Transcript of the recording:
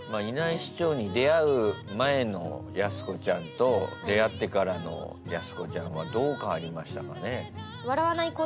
イナイ士長に出会う前のやす子ちゃんと出会ってからのやす子ちゃんはどう変わりましたかね。